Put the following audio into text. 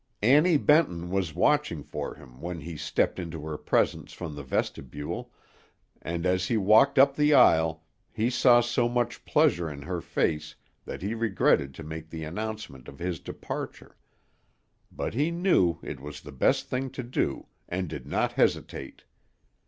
Annie Benton was watching for him when he stepped into her presence from the vestibule, and as he walked up the aisle he saw so much pleasure in her face that he regretted to make the announcement of his departure; but he knew it was the best thing to do, and did not hesitate.